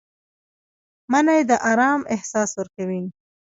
مني د آرام احساس ورکوي